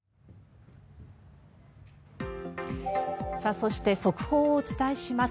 そして速報をお伝えします。